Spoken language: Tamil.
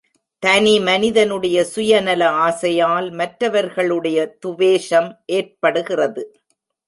தனி மனிதனுடைய சுய நல ஆசையால் மற்றவர்களுடைய துவேஷம் ஏற்படுகிறது.